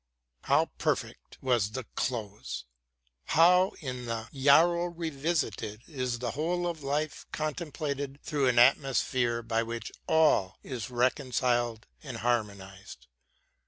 How perfect was the close ! How in the " Yarrow Revisited " is the whole of life contemplated through an atmosphere by which all is reconciled and harmonised.